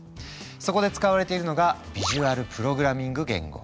そこで使われているのが「ビジュアルプログラミング言語」「ＳＣＲＡＴＣＨ」。